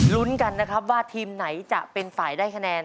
ลุ้นกันนะครับว่าทีมไหนจะเป็นฝ่ายได้คะแนน